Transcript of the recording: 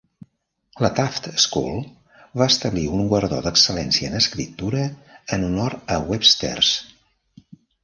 La Taft School va establir un guardó d"excel·lència en escriptura en honor a Webster's.